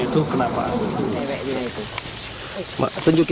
atau membakar dirinya itu kenapa